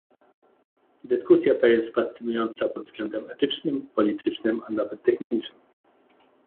Dyskusja ta jest fascynująca pod względem etycznym, politycznym, a nawet technicznym